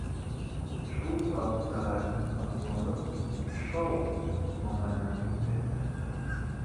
Шул саҡ Сәғәт, асыуланып, «шалт!» маңлайына сирткән.